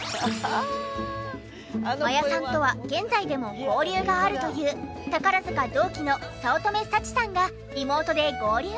真矢さんとは現在でも交流があるという宝塚同期の小乙女幸さんがリモートで合流。